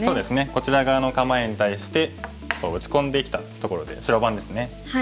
こちら側の構えに対してこう打ち込んできたところで白番ですね。